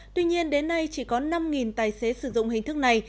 tuy nhiên đến nay chỉ có năm tài xế sử dụng hình thức này